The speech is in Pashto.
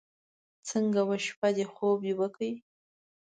څنګه وه شپه دې؟ خوب دې وکړو.